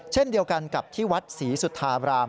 เช่นเดียวกันกับที่วัดศรีสุธาบราม